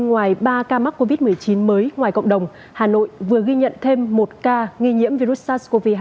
ngoài ba ca mắc covid một mươi chín mới ngoài cộng đồng hà nội vừa ghi nhận thêm một ca nghi nhiễm virus sars cov hai